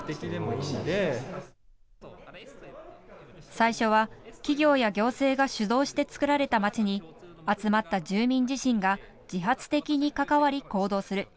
最初は企業や行政が主導してつくられた街に集まった住民自身が自発的に関わり行動する。